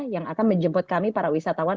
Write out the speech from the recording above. yang akan menjemput kami para wisatawan